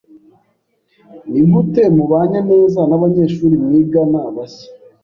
Nigute mubanye neza nabanyeshuri mwigana bashya?